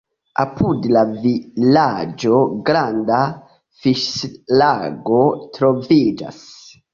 Apud la vilaĝo granda fiŝlago troviĝas.